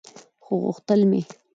خو غوښتل مې